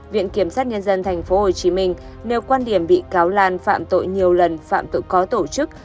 viện kiểm sát nhân dân tp hcm nêu quan điểm bị cáo lan phạm tội nhiều lần phạm tội có tổ chức